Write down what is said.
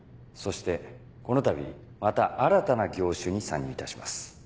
そしてこのたびまた新たな業種に参入いたします。